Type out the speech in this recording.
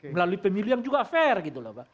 melalui pemilu yang juga fair gitu